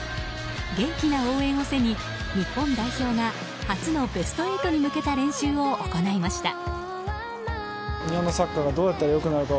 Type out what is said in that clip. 元気な応援を背に日本代表が初のベスト８に向けた練習を行いました。